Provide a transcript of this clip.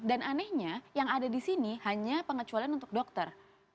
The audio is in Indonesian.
dan anehnya yang ada di sini hanya pengecualian untuk dokter